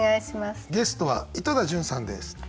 ゲストは井戸田潤さんです。